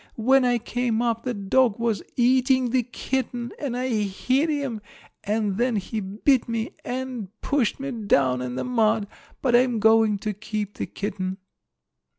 When I came up, the dog was eating the kitten, and I hit him and then he bit me and pushed me down in the mud. But I'm going to keep the kitten."